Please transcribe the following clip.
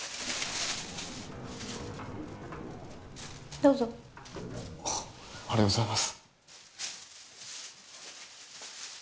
どうぞありがとうございます